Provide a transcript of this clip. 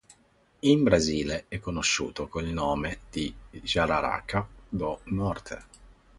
In Brasile è conosciuto con il nome di "jararaca-do-norte".